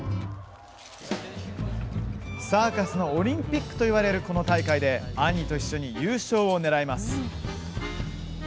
サーカスのオリンピックといわれるこの大会で兄と一緒に優勝を狙います。